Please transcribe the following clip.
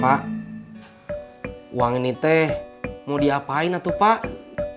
pak uang ini teh mau diapain atutis